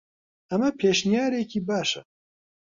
ئەمە پێشنیارێکی باشە.